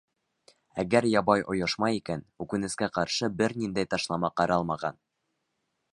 Әгәр ябай ойошма икән, үкенескә ҡаршы, бер ниндәй ташлама ҡаралмаған.